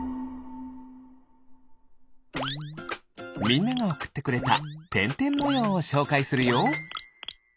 みんながおくってくれたてんてんもようをしょうかいするよ。